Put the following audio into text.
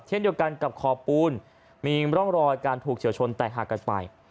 เช่นเดียวกันกับขอบปูนมีร่องรอยการถูกเฉียวชนแตกหากกันไป